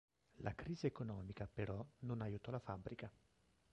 La crisi economica però non aiutò la fabbrica.